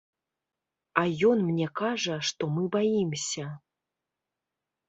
А ён мне кажа, што мы баімся.